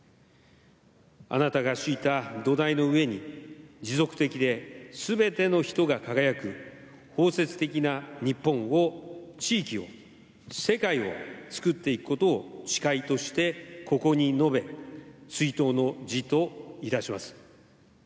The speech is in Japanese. あなたが敷いた土台の上に持続的で全ての人が輝く包接的な日本を地域を世界を作っていくことを誓いとしてここに述べ追悼の辞といたします。